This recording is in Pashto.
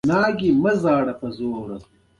کمقلې دادې چانه ياد کړي.